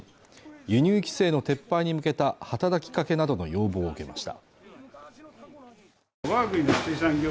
輸入規制の撤廃に向けた働きかけなどの要望を受けました